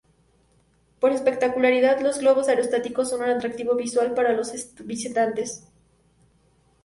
Por su espectacularidad, los globos aerostáticos son un atractivo visual para los visitantes.